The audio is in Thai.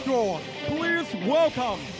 ขอบคุณทุกคน